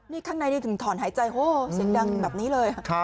นี่ข้างในถึงถอนหายใจโอ้โหเซ็นต์ดังแบบนี้เลย